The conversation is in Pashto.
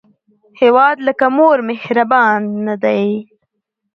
هیواد لکه مور مهربانه دی